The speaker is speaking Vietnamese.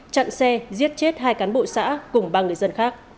chặn xe giết chết hai cán bộ xã cùng ba người dân khác